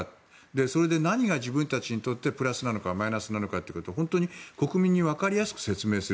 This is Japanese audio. それで、何が自分たちにとってプラスなのかマイナスなのかを国民に分かりやすく説明する。